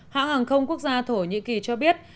hãng hàng không quốc gia thổ nhĩ kỳ cho biết